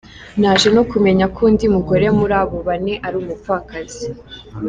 naje no kumenya ko undi mugore muri abo bane ari umupfakazi.